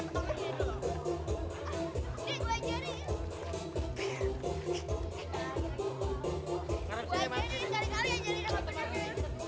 buat jari cari cari yang jari